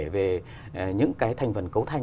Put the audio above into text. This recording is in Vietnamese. về những cái thành phần cấu thanh